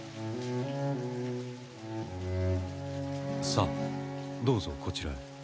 さあどうぞこちらへ。